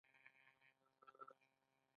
یا یې د مذهب او جنسیت له امله حذفوي.